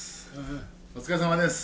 お疲れさまです。